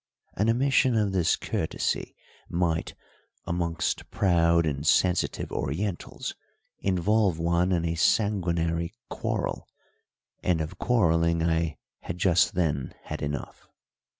An omission of this courtesy might, amongst proud and sensitive Orientals, involve one in a sanguinary quarrel, and of quarrelling I had just then had enough.